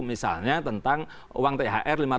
misalnya tentang uang thr